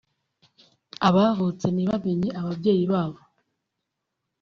abavutse ntibamenye ababyeyi babo